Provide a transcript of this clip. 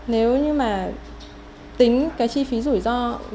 nếu như mà tính cái chi phí rủi ro